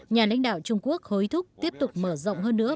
nhà lãnh đạo trung quốc hối thúc tiếp tục mở rộng hơn nữa